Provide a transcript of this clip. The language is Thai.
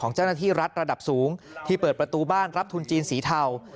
เจ้าหน้าที่รัฐระดับสูงที่เปิดประตูบ้านรับทุนจีนสีเทา